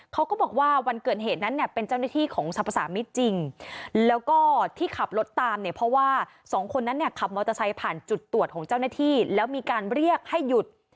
เขาก็บอกว่าวันเกิดเหตุนั้นเนี่ยเป็นเจ้าหน้าที่ของสรรพสามิตรจริงแล้วก็ที่ขับรถตามเนี่ยเพราะว่าสองคนนั้นเนี่ยขับมอเตอร์ไซค์ผ่านจุดตรวจของเจ้าหน้าที่แล้วมีการเรียกให้หยุด